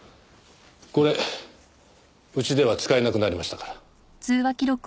これうちでは使えなくなりましたから。